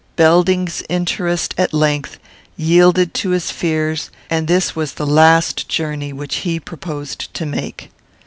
Belding's interest at length yielded to his fears, and this was the last journey which he proposed to make.